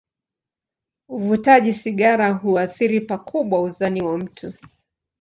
Uvutaji sigara huathiri pakubwa uzani wa mtu.